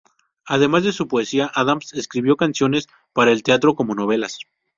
Además de su poesía, Adams escribió canciones para el teatro como novelas.